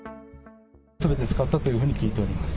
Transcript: すべて使ったというふうに聞いています。